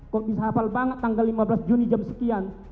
kok bisa hafal banget tanggal lima belas juni jam sekian